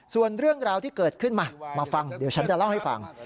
ส่วนเรื่องราวที่เกิดขึ้นมามาฟังเดี๋ยวฉันจะเล่าให้ฟัง